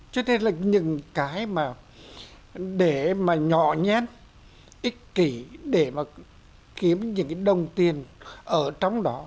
cho nên là những cái mà để mà nhỏ nhát ích kỷ để mà kiếm những cái đồng tiền ở trong đó